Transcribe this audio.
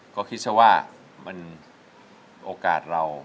ก็คิดซะว่ามันโอกาสเรา